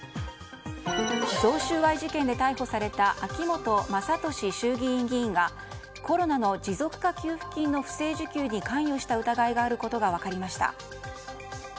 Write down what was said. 贈収賄事件で逮捕された秋本真利衆議院議員がコロナの持続化給付金の不正受給に関与した疑いがあることが分かりました。